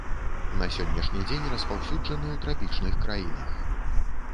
На сённяшні дзень распаўсюджаны ў трапічных краінах.